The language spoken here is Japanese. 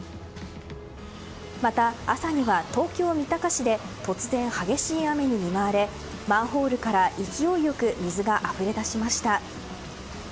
また、朝には東京・三鷹市で突然激しい雨に見舞われマンホールから勢いよく水があふれ出しました。